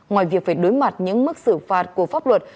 ngoài việc phải đối mặt những mức xử phạt của pháp luật